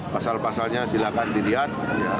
pasal pasalnya silakan dilihat